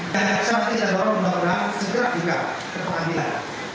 dan saat ini kita dorong segera juga ke pengambilan